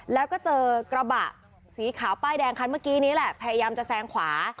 แล้วก็เจอกระบะสีขาวป้ายแดงคันเมื่อกี้นี้แหละพยายามจะแซงขวา